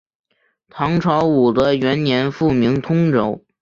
唐朝武德元年复名通州。